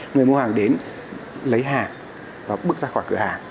người mua hàng đến lấy hàng và bước ra khỏi cửa hàng